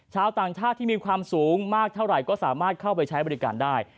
ชาวต่างชาติที่มีความสูงมากเท่าไหร่ก็สามารถเข้าไปใช้บริการได้